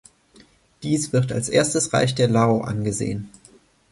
Dies wird als erstes Reich der Lao angesehen.